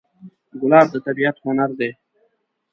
ګلاب د طبیعت هنر دی.